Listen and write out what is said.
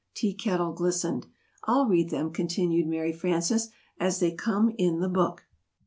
Tea Kettle glistened. "I'll read them," continued Mary Frances, "as they come in the book."